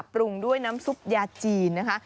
ปรุงด้วยน้ำซุปยาจีนนะคะ